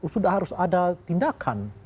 sudah harus ada tindakan